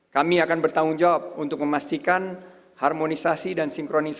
kami akan bertanggung jawab untuk memastikan harmonisasi dan sinkronisasi